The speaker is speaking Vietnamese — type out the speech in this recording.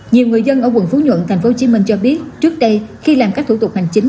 nhiều người dân ở quận phú nhuận tp hcm cho biết trước đây khi làm các thủ tục hành chính